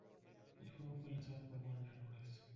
El juego fue lanzado por Warner Bros.